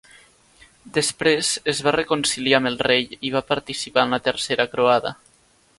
Després es va reconciliar amb el rei i va participar en la Tercera Croada.